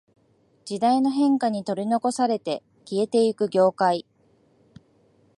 時代の変化に取り残されて消えていく業界